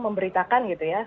memberitakan gitu ya